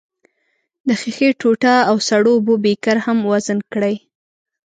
د ښيښې ټوټه او سړو اوبو بیکر هم وزن کړئ.